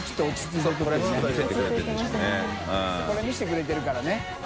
海見せてくれてるからね。